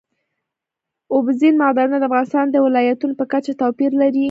اوبزین معدنونه د افغانستان د ولایاتو په کچه توپیر لري.